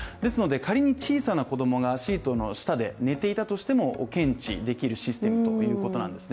仮に小さな子供がシートの下で寝ていたとしても、検知できるシステムということなんです。